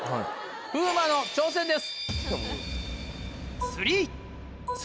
風磨の挑戦です。